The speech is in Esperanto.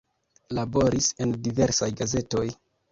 Laboris en diversaj gazetoj.